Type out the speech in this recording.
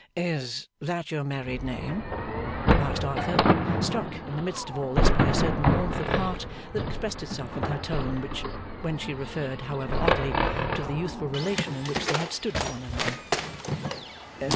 'Is that your married name?' asked Arthur, struck, in the midst of all this, by a certain warmth of heart that expressed itself in her tone when she referred, however oddly, to the youthful relation in which they had stood to one another.